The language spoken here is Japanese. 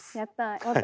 やった！